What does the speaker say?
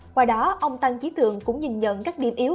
qua đó ông tăng trí tượng cũng nhìn nhận các điểm yếu